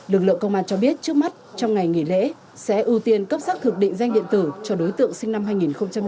lực lượng công an cho biết trước mắt trong ngày nghỉ lễ sẽ ưu tiên cấp xác thực định danh điện tử cho đối tượng sinh năm hai nghìn hai mươi